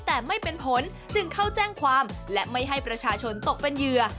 แต่ไม่เป็นผลจึงเข้าแจ้งความและไม่ให้ประชาชนตกเป็นเหยื่อ